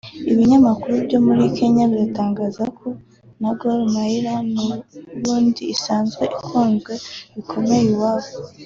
ibitangazamakuru byo muri Kenya biratangaza ko na Gor Mahia n’ubundi isanzwe ikunzwe bikomeye iwabo